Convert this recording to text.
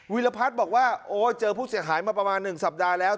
รพัฒน์บอกว่าโอ้เจอผู้เสียหายมาประมาณ๑สัปดาห์แล้ว